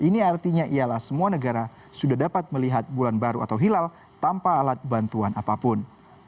ini artinya ialah semua negara sudah dapat melihat bulan baru atau hilal tanpa alat bantuan apapun